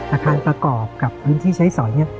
อาคารประกอบกับพื้นที่ใช้สอยเนี่ย